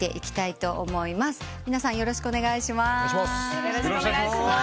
よろしくお願いします。